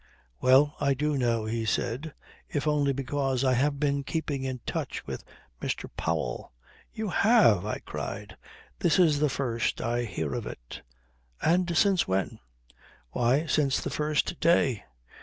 "Well, I do know," he said, "if only because I have been keeping in touch with Mr. Powell." "You have!" I cried. "This is the first I hear of it. And since when?" "Why, since the first day.